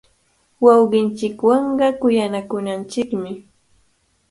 Wawqinchikwanqa kuyanakunanchikmi.